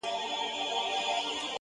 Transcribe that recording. بېزاره به سي خود يـــاره له جنگه ككـرۍ’